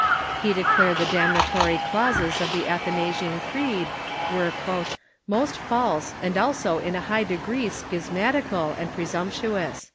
He declared the damnatory clauses of the Athanasian Creed were " most false, and also in a high degree schismatical and pre sumptuous."